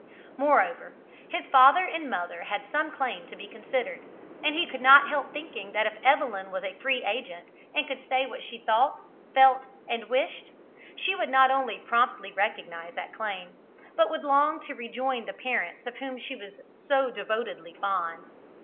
Moreover, his father and mother had some claim to be considered; and he could not help thinking that if Evelyn was a free agent and could say what she thought, felt, and wished, she would not only promptly recognise that claim, but would long to rejoin the parents of whom she was so devotedly fond.